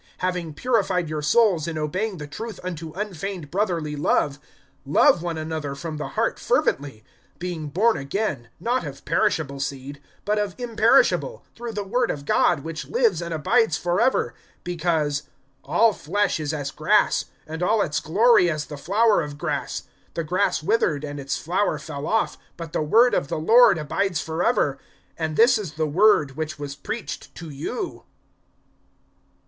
(22)Having purified your souls in obeying the truth unto unfeigned brotherly love, love one another from the heart fervently; (23)being born again, not of perishable seed, but of imperishable, through the word of God, which lives and abides forever. (24)Because, All flesh is as grass, And all its glory as the flower of grass. The grass withered, and its flower fell off; (25)But the word of the Lord abides forever. And this is the word which was preached to you.